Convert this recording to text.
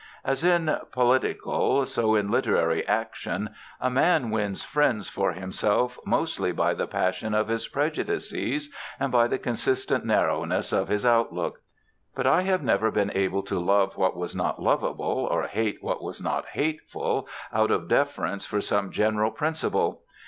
As in political so in literary action a man wins friends for himself mostly by the passion of his prejudices and by the consistent narrowness of his outlook. But I have never been able to love what was not lovable or hate what was not hateful out of deference for some general principle.